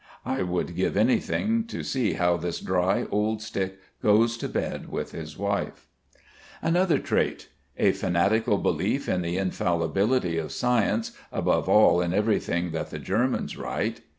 I would give anything to see how this dry old stick goes to bed with his wife. Another trait: a fanatical belief in the infallibility of science, above all in everything that the Germans write.